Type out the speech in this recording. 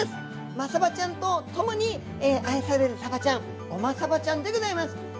マサバちゃんと共に愛されるさばちゃんゴマサバちゃんでございます。